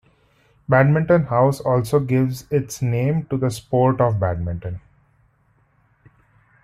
Badminton House also gives its name to the sport of badminton.